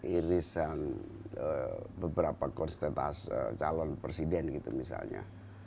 irisan beberapa kursus tetas calon presiden gitu misalnya